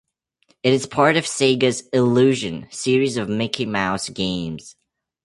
It is part of Sega's "Illusion" series of Mickey Mouse games.